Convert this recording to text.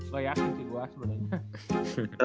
lo yakin sih gue sebenernya